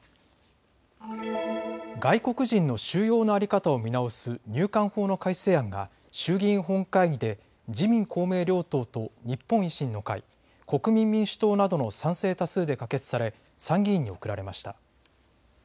外国人の収容の在り方を見直す入管法の改正案が衆議院本会議で自民公明両党と日本維新の会、国民民主党などの賛成多数で可決され参議院に送られました。